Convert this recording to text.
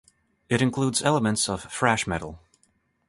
It includes elements of thrash metal.